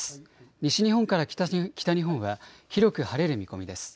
西日本から北日本は広く晴れる見込みです。